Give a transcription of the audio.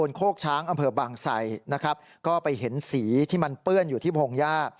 อย่านบางไสพระนครศิริยา